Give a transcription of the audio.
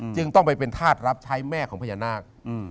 จึงต้องไปเป็นธาตุรับใช้แม่ของพญานาค